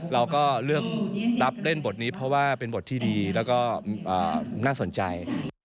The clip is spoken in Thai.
เราก็เลือกรับเล่นบทนี้เพราะว่าเป็นบทที่ดีแล้วก็น่าสนใจ